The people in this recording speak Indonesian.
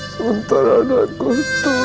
sebentar anakku itu